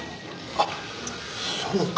あっそうか！